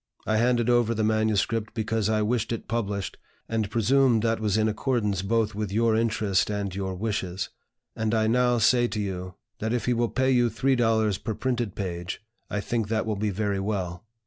I handed over the MS. because I wished it published, and presumed that was in accordance both with your interest and your wishes. And I now say to you, that if he will pay you three dollars per printed page, I think that will be very well.